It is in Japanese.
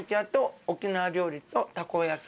沖縄料理